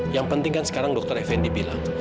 yang penting kan sekarang dr effendi bilang